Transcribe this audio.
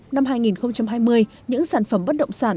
năm hai nghìn hai mươi những sản phẩm bất động sản